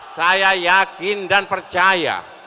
saya yakin dan percaya